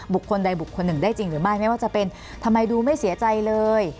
บุคคลใดบุคคลหนึ่งได้จริงหรือไม่ไม่ว่าจะเป็นทำไมดูไม่เสียใจเลย